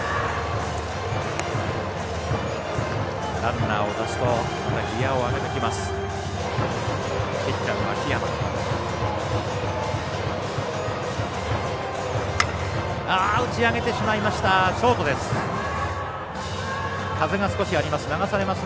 ランナーを出すとギヤを上げてきます。